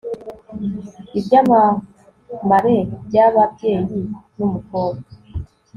ibyamamare byababyeyi numukobwa